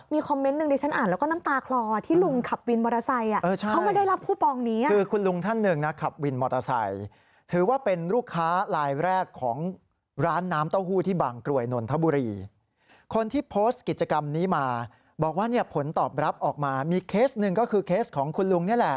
มีคอมเมนต์หนึ่งดิฉันอ่านแล้วก็น้ำตาคลอ